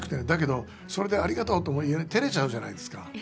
だけどそれで「ありがとう」ともてれちゃうじゃないですか。